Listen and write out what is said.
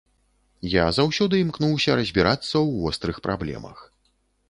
Я заўсёды імкнуся разбірацца ў вострых праблемах.